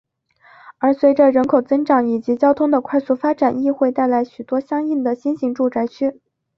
而随着人口增长以及交通的快速发展亦会带来许多相应的新型住宅区。